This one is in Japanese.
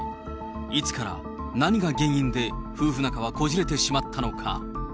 いつから何が原因で、夫婦仲はこじれてしまったのか。